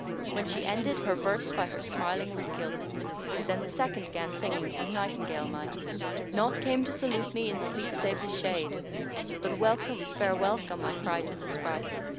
When she ended, her verse by her smiling was gilt: * Then the second 'gan singing as nightingale might:— Naught came to salute me in sleep save his shade * But 'welcome, fair welcome,' I cried to the spright!